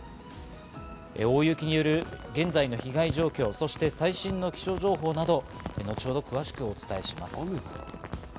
大雪による現在の被害状況、そして最新の気象情報など後ほど詳しくお伝えします。